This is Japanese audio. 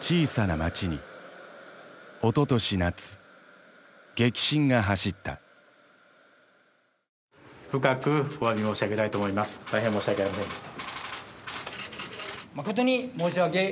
誠に申し訳ありませんでした。